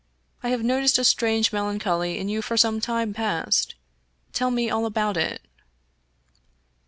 I have noticed a strange melancholy in you for some time past. Tell me all about it."